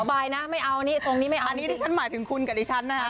อันนี้ฉันหมายถึงคุณกับดิฉันนะฮะ